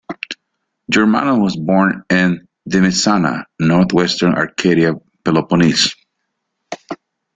Germanos was born in Dimitsana, northwestern Arcadia, Peloponnese.